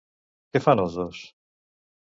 Què fan els dos?